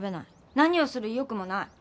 何をする意欲もない。